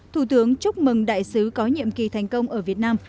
thủ tướng chúc mừng đại sứ có nhiệm kỳ thành công ở việt nam